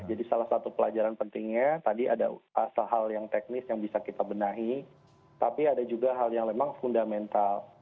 jadi salah satu pelajaran pentingnya tadi ada asal hal yang teknis yang bisa kita benahi tapi ada juga hal yang memang fundamental